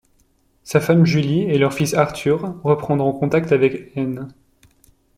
Sa femme Julie et leur fils Arthur reprendront contact avec Heine.